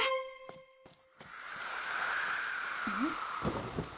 うん？